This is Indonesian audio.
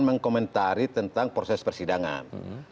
mengkomentari tentang proses persidangan